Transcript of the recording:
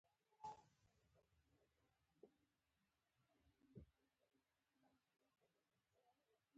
له کومي ډلي سره چي ولاړ یاست؛ د هغي ډلي پلوي کوئ!